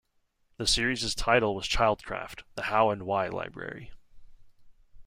The series' title was Childcraft - The How and Why Library.